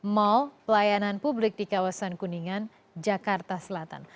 mal pelayanan publik di kawasan kuningan jakarta selatan